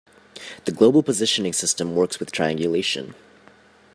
The global positioning system works with triangulation.